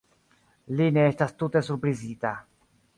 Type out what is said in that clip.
Li ne estas tute surprizita.